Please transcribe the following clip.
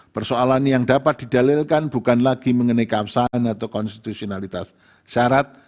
persoalan yang dapat didalilkan bukan lagi mengenai keabsahan atau konstitusionalitas syarat